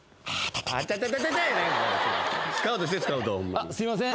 あっすいません。